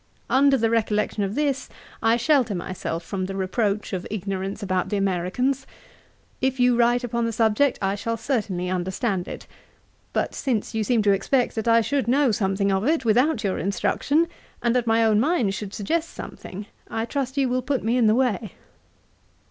Under the recollection of this, I shelter myself from the reproach of ignorance about the Americans. If you write upon the subject I shall certainly understand it. But, since you seem to expect that I should know something of it, without your instruction, and that my own mind should suggest something, I trust you will put me in the way.